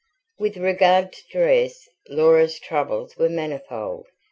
With regard to dress, Laura's troubles were manifold.